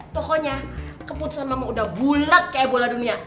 pokoknya keputusan mama udah bulat kayak bola dunia